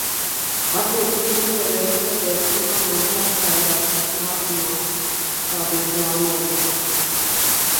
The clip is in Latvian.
Attiecīgi nevarēju saģērbt mazuli pastaigai pirms nākamās, kā bija plānots.